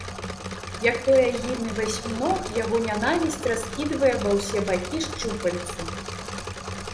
Як той агідны васьміног, яго нянавісць раскідвае ва ўсе бакі шчупальцы.